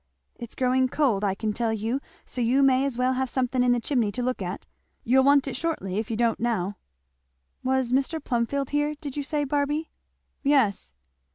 "It's growing cold I can tell you, so you may as well have something in the chimney to look at. You'll want it shortly if you don't now." "Was Mr. Plumfield here, did you say, Barby?" "Yes."